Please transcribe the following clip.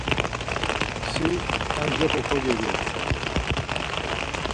Si ar coxo kogegodva.